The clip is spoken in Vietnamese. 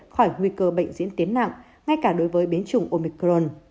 khỏi nguy cơ bệnh diễn tiến nặng ngay cả đối với biến chủng omicron